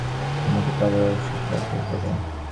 এরপর DB police পরিচয় দিয়ে আমাকে কালো রঙের একটি গাড়িতে তোলে।